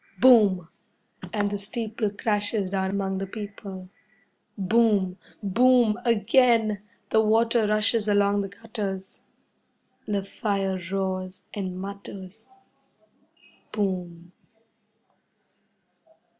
Boom! And the steeple crashes down among the people. Boom! Boom, again! The water rushes along the gutters. The fire roars and mutters. Boom!